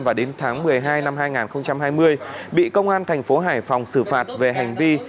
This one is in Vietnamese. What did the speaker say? và đến tháng một mươi hai năm hai nghìn hai mươi bị công an thành phố hải phòng xử phạt về hành vi